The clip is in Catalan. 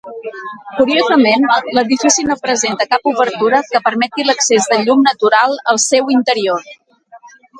Curiosament, l'edifici no presenta cap obertura que permeti l'accés de llum natural al seu interior.